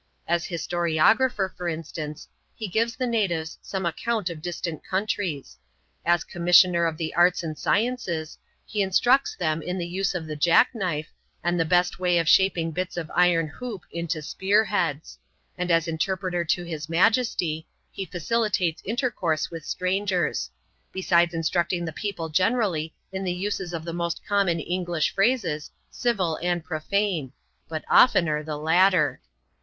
As historiographer, for instance, he gives the natives some account of distant countries ; as conmiisdoner of the arts and sciences, he instructs them in the use of the ja^L knife, and the best way of shaping bits of ircm hoop into spearheads ; and as interpreter to his majesty, he facilitates intercourse with strangers ; besides instructing the people ge« nerally in the uses of the most common English phrases, civil and profane ; but oftener the latter.